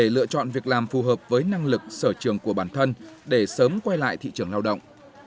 lựa chọn việc làm phù hợp với năng lực sở trường của bản thân để sớm quay lại thị trường lao động